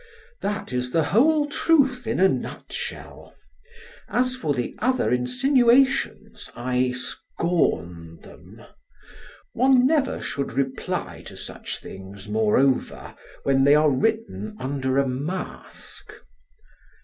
That is the whole truth in a nutshell. As for the other insinuations I scorn them. One never should reply to such things, moreover, when they are written under a mask.